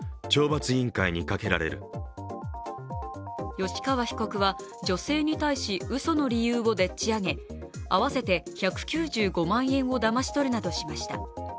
吉川被告は女性に対しうその理由をでっちあげ、合わせて１９５万円をだまし取るなどしました。